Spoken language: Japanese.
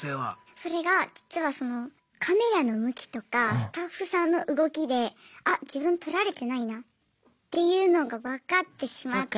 それが実はカメラの向きとかスタッフさんの動きであ自分撮られてないなっていうのが分かってしまって。